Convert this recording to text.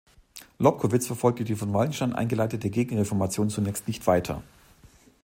Lobkowitz verfolgte die von Wallenstein eingeleitete Gegenreformation zunächst nicht weiter.